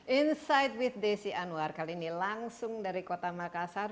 insight with desi anwar kali ini langsung dari kota makassar